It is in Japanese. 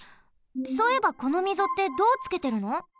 そういえばこのみぞってどうつけてるの？